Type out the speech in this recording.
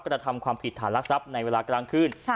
กระทำความผิดฐานรักทรัพย์ในเวลากลางคืน